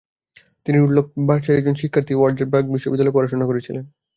তিনি রুডল্ফ ভার্চোর একজন শিক্ষার্থী হিসাবে, ওয়ার্জবার্গ বিশ্ববিদ্যালয়ে পড়াশুনা করেছিলেন।